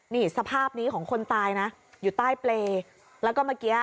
นี่สภาพนี้ของคนตายนะอยู่ใต้เปรย์แล้วก็เมื่อกี้